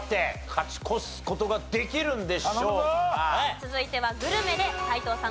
続いてはグルメで斎藤さん